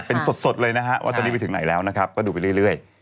เป็นสดเลยว่าตอนนี้ไปถึงไหนแล้วก็ดูไปเรื่อย